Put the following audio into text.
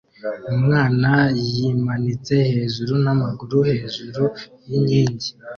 Umwana yimanitse hejuru n'amaguru hejuru yinkingi